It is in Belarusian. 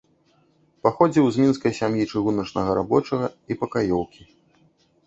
Паходзіў з мінскай сям'і чыгуначнага рабочага і пакаёўкі.